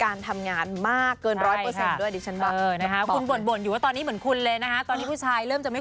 อันนั้นโดนเทรือเปล่า